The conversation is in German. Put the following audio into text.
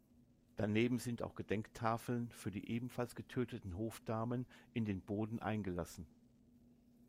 Daneben sind auch Gedenktafeln für die ebenfalls getöteten Hofdamen in den Boden eingelassen.